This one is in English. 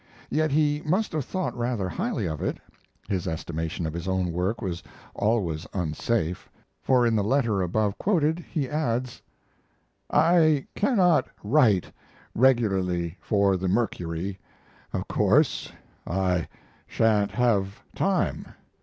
Yet he must have thought rather highly of it (his estimation of his own work was always unsafe), for in the letter above quoted he adds: I cannot write regularly for the Mercury, of course, I sha'n't have time.